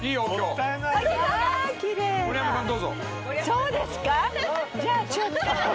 そうですか？